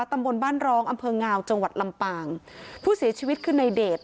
ตำบลบ้านร้องอำเภองาวจังหวัดลำปางผู้เสียชีวิตคือในเดช